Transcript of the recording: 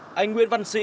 vừa ra khỏi cao tốc